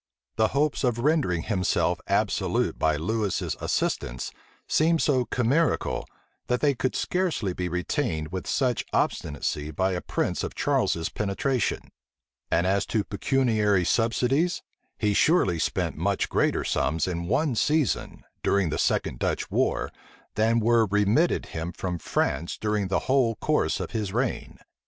The hopes of rendering himself absolute by Lewis's assistance seem so chimerical, that they could scarcely be retained with such obstinacy by a prince of Charles's penetration: and as to pecuniary subsidies, he surely spent much greater sums in one season, during the second Dutch war, than were remitted him from France during the whole course of his reign.